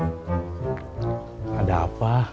gak ada apa